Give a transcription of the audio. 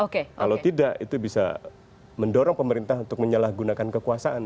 kalau tidak itu bisa mendorong pemerintah untuk menyalahgunakan kekuasaan